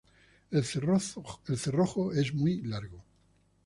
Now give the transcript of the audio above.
El cerrojo es muy largo.